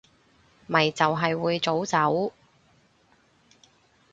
咪就係會早走